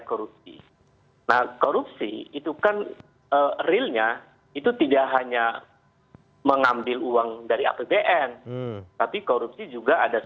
korupsi nah korupsi itu kan realnya itu tidak hanya mengambil uang dari apbn tapi korupsi juga ada